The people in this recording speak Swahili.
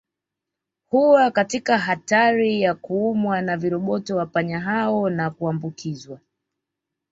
Huwa katika hatari ya kuumwa na viroboto wa panya hao na kuambukizwa